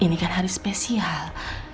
ini kan hari spesial